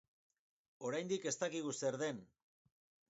Oraindik ez dakigu zer den.